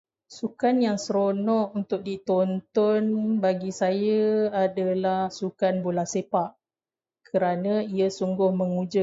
Sukan yang seronok untuk ditonton bagi saya adalah sukan bola sepak, kerana ia sungguh mengujakan.